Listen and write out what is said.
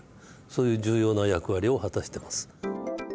そういう重要な役割を果たしてます。